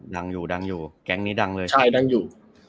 ดังอยู่แกงนี้ดังอยู่